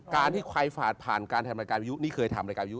การที่ใครฝาดผ่านการทำรายการวิยุนี่เคยทำรายการวิยุ